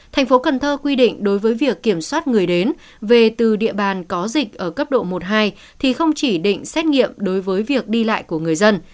tp hcm quy định đối với việc kiểm soát người đến về từ địa bàn có dịch ở cấp độ một hai thì không chỉ định xét nghiệm đối với việc đi lại của người dân